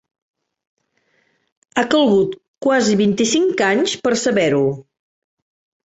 Ha calgut quasi vint-i-cinc anys per saber-ho.